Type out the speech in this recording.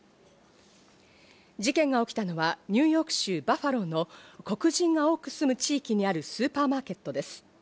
事件が起きたのはニューヨーク州バファローの黒人が多く住む地域にあるスーパーマーケットです。